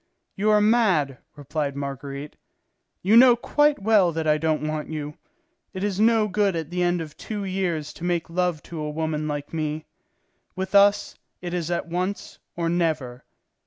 "You are mad," replied Marguerite. "You know quite well that I don't want you. It is no good at the end of two years to make love to a woman like me. With us, it is at once, or never.